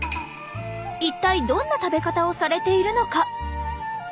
一体どんな食べ方をされているのか？